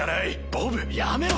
ボブやめろ。